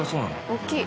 大きい。